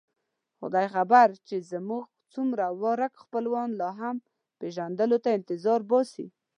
خدای خبر چې زموږ څومره ورک خپلوان لا هم پېژندلو ته انتظار باسي.